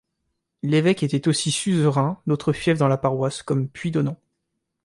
L'évêque était aussi suzerain d'autres fiefs dans la paroisse, comme Puydonant.